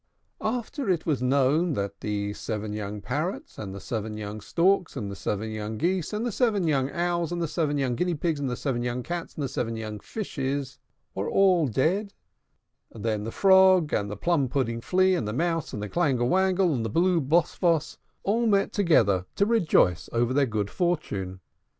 After it was known that the seven young Parrots, and the seven young Storks, and the seven young Geese, and the seven young Owls, and the seven young Guinea Pigs, and the seven young Cats, and the seven young Fishes, were all dead, then the Frog, and the Plum pudding Flea, and the Mouse, and the Clangle Wangle, and the Blue Boss Woss, all met together to rejoice over their good fortune.